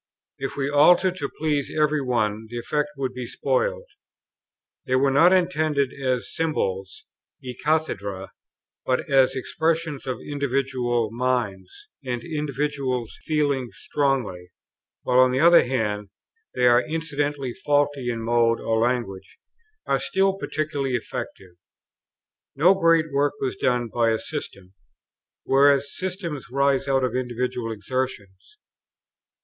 If we altered to please every one, the effect would be spoiled. They were not intended as symbols è cathedrâ but as the expression of individual minds; and individuals, feeling strongly, while on the one hand, they are incidentally faulty in mode or language, are still peculiarly effective. No great work was done by a system; whereas systems rise out of individual exertions.